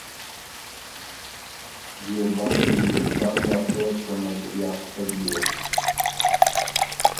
دیوبند هندوستان لاسته سندیافتۀ بیوک